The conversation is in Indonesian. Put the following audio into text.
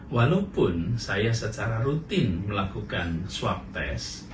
walaupun saya secara rutin melakukan swab test